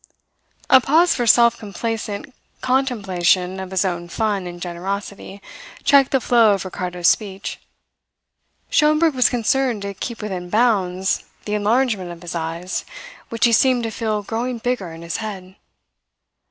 A pause for self complacent contemplation of his own fun and generosity checked the flow of Ricardo's speech. Schomberg was concerned to keep within bounds the enlargement of his eyes, which he seemed to feel growing bigger in his head.